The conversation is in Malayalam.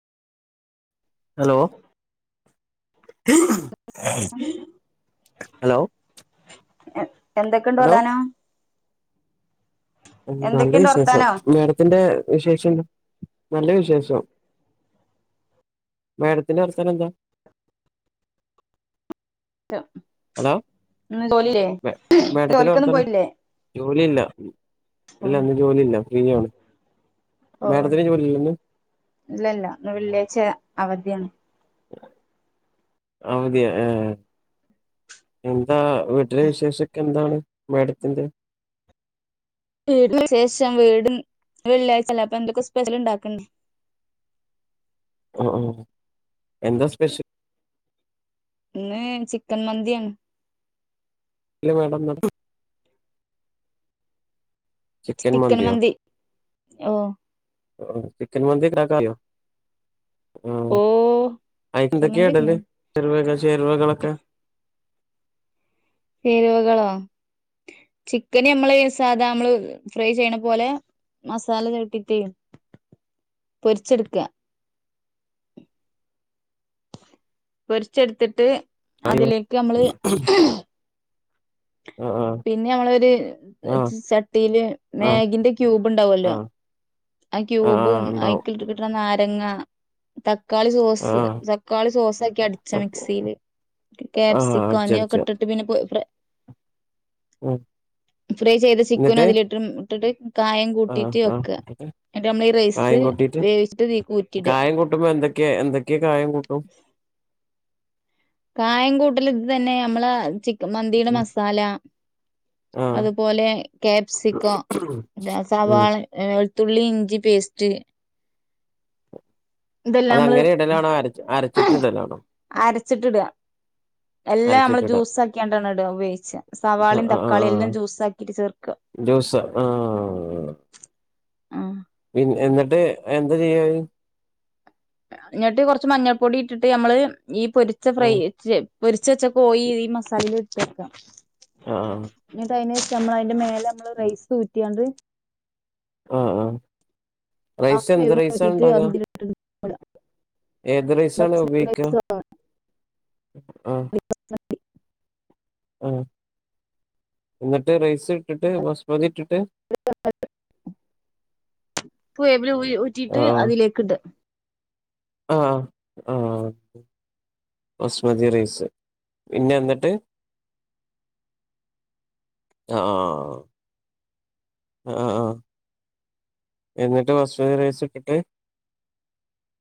ഹലോ ഹലോ എന്തൊക്കെണ്ട് വതാനം? ഉം നല്ല വിശേഷം വർത്താനോ മേടത്തിന്റെ വിശേഷം എന്താ? നല്ല വിശേഷം മേടത്തിന്റെ വർത്താനം എന്താ? [unintelligible] ഹലോ ഇന്ന് ജോലില്ലേ? ഇന്ന് ജോലിക്കൊന്നും പോയില്ലേ? ജോലി ഇല്ല ഓ ഇല്ല ഇന്ന് ജോലി ഇല്ല. [unintelligible] ഓ ഇല്ലല്ല ഇന്ന് വെള്ളിയാഴ്ച്ചയാ അവധിയാണ്. അവധിയാ ഏഹ് എ ന്താ വീട്ടിലെ വിശേഷക്കെ എന്താണ്? മേടത്തിന്റെ വീട് വിശേഷം വീട് ന്ന് വെള്ളിയാഴ്ച അല്ലെ അപ്പെ എന്തൊക്കെ സ്പെഷ്യൽ ണ്ടാക്ക്ണ്ട് ആ ആ എന്താ സ്പെഷ്യൽ ഇന്ന് ചിക്കൻ മന്തിയാണ് ഇല്ല മേടം ചിക്കൻ മന്തിയോ മന്തി ഓ ഓ ചിക്കൻ മന്തി ഇണ്ടാക്കറിയോ ആ ഓ അയ്ന് ന്തെക്കെയാ ചമ്മന്തിണ്ട് ഇടല് ചേരുവകൾ ചേരുവകളൊക്കെ ചേരുവകളോ ചിക്കന് ഞമ്മള് സാധാ ഞമ്മള് ഫ്രൈ ചെയ്യ്ണ പോലെ മസാല പെരട്ടിയിട്ടെ പൊരിച്ചെട്ക്ക പൊരിച്ചെട്ത്തിട്ട് ആഹ് അതിലേക്ക് നമ്മള് ആഹ് പിന്നെ ആഹ് ഞമ്മളൊര്ചട്ടിയില് ആഹ് മേഗിന്റെ ക്യൂബ്ണ്ടാവല്ലോ ആഹ് ആ ആഹ് ആഹ് ക്യൂബും അയ്ക് ഇണ്ടാവും കിട്ട് കിട്ണ നായ നാരങ്ങ ത- തക്കാളി സോസ് ആഹ് തക്കാളി സോസ് ഒക്കെ അടിച്ച മിക്സിയില് ആഹ് കാപ്സിക്കം അടിച്ചടിച്ച അങ്ങനെയൊക്കെ ഇട്ടിട്ട് പിന്നെ ഉം ഫ്രൈ ചെയ്ത ചിക്കനും എന്നിട്ട് അതിലിട്ടും ഇട്ടിട്ട് കായം ആഹ് കൂട്ടിട്ട് ആഹ് വെയ്ക്ക കായം കൂട്ടിട്ട് ഇതീക്ക് ഊറ്റിയിടുക കായം കൂട്ടുമ്പോ എന്തൊക്കെയാ എന്തൊക്കെയാ കായം കൂട്ടും കായം കൂട്ടൽ ത് തന്നെ ഞമ്മള് ചി മന്തിയുടെ ഉം മസാല ആഹ് അതുപോലെ കാപ്സിക്കോ ഉം സവാള തുള്ളി ഇഞ്ചി പേസ്റ്റ് ഇതെല്ലാം മ്മള് അതങ്ങനെ ഇടലാണോ അരച്ച് അരച്ചിട്ടിടലാണോ അരച്ച്ട്ട്‌ ഇട എല്ലാം മ്മള് അരച്ചിട്ടിട ജ്യൂസ് ആക്ക്യാണ്ടാണ് ഇട ഉപയോഗിച്ച ആഹ് സവാളിം ആഹ് ആഹ് തക്കാളും എല്ലാം ആഹ് ജ്യൂസ് ആക്കിട്ട് ചേർക്ക ജ്യൂസ് ആ പിന്ന് എന്നിട്ട് എന്താ ചെയ്യാ അത് ഞ്ഞട്ട് കൊർച്ച് മഞ്ഞൾപ്പൊടി ഇട്ടിട്ട് നമ്മള് ഈ പൊരിച്ച ഫ്രൈ ആഹ് പൊരിച്ച് വെച്ച കോയി ഈ മസാലില് കേക്കാം ആ [unintelligible] മ്മളയ്ന്റെ മേലെ മ്മള് റൈസ് ഊറ്റിയാണ്ട് ആ ആ റൈസ് ഹാഫ് എന്ത് വേവിന് റൈസാണ് ഊറ്റിട്ട് ഇണ്ടാക്ക അത് ഇതിലിട്ട് ഇട. ഏത് റൈസാണ് ഉപയോഗിക്ക ഹാഫ് ആ ആ ന്നിട്ട് റൈസ് ഇട്ടിട്ട് ബസ്മതി ഇട്ടി [unintelligible] പൂയ [unintelligible] ഊറ്റിട്ട് ആഹ് അതിലേക്ക് ഇട് ആഹ് ആഹ് വസ്മതി റൈസ് പിന്നെ എന്നിട്ട് ആഹ് ആഹ് ആഹ് എന്നിട്ട് വസ്മതി റൈസ് ഇട്ടിട്ട്